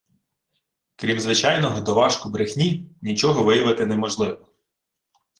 Крім звичайного «доважку брехні», нічого виявити неможливо